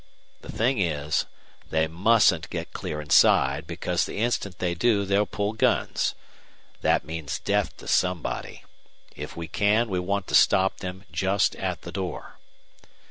The thing is they MUSTN'T get clear inside, because the instant they do they'll pull guns. That means death to somebody. If we can we want to stop them just at the door."